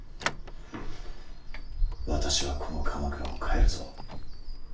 私はこの鎌倉を変えるぞ。